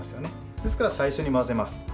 ですから、最初に混ぜます。